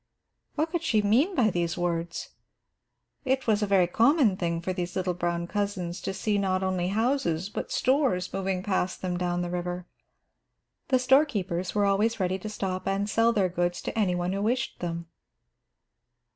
What could she mean by these words? It was a very common thing for these little brown cousins to see not only houses but stores moving past them down the river. The storekeepers were always ready to stop and sell their goods to any one who wished them.